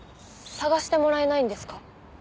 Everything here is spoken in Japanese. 探してもらえないんですか？